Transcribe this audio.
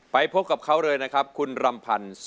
ไปพบกับเขาเลยนะครับคุณรำพันธ์